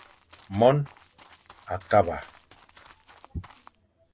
Mon a kaba.